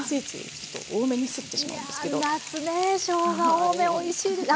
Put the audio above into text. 夏ねしょうが多めおいしいです。